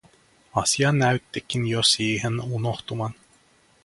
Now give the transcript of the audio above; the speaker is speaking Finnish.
Asia näyttikin jo siihen unohtuvan.